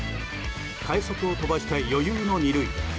快足を飛ばして余裕の２塁打。